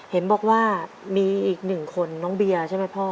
เห็นบอกว่ามีอีกหนึ่งคนน้องเบียร์ใช่ไหมพ่อ